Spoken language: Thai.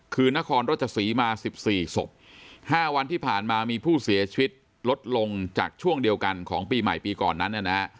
คือนครราชศรีมา๑๔ศพ๕วันที่ผ่านมามีผู้เสียชีวิตลดลงจากช่วงเดียวกันของปีใหม่ปีก่อนนั้นเนี่ยนะฮะ